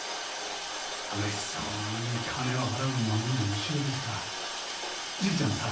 うれしそうに金を払う孫の後ろでさじいちゃんさ。